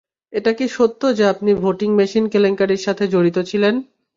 এটা কি সত্য যে আপনি ভোটিং মেশিন কেলাঙ্কারির সাথে জড়িত ছিলেন?